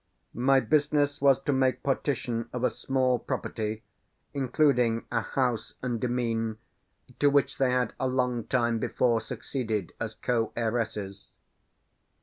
My business was to make partition of a small property, including a house and demesne, to which they had a long time before succeeded as co heiresses.